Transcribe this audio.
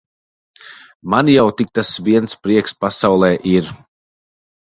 Man jau tik tas viens prieks pasaulē ir.